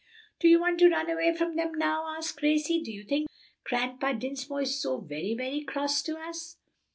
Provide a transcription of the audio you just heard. "Do you want to run away from them now?" asked Gracie. "Do you think Grandpa Dinsmore is so very, very cross to us?"